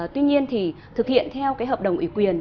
tuy nhiên thì thực hiện theo cái hợp đồng ủy quyền